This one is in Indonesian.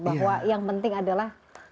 bahwa yang penting adalah